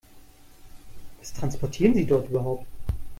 Was transportieren Sie dort überhaupt?